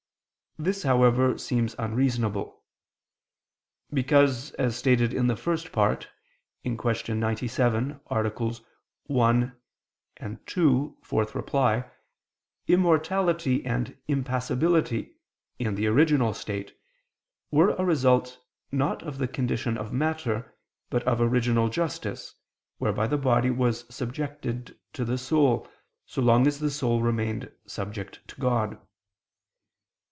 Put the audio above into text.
This, however, seems unreasonable. Because, as stated in the First Part (Q. 97, AA. 1, 2, ad 4), immortality and impassibility, in the original state, were a result, not of the condition of matter, but of original justice, whereby the body was subjected to the soul, so long as the soul remained subject to God.